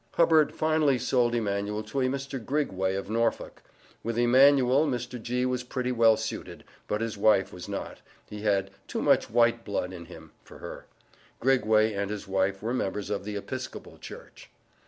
Hubbert finally sold Emanuel to a Mr. Grigway of Norfolk; with Emanuel Mr. G. was pretty well suited, but his wife was not he had "too much white blood in him" for her. Grigway and his wife were members of the Episcopal Church.